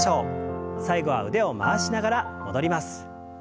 最後は腕を回しながら戻ります。